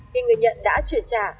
khi người nhận đã chuyển trả